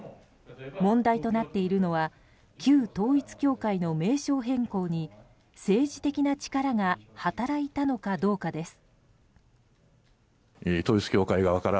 問題となっているのは旧統一教会の名称変更に政治的な力が働いたのかどうかです。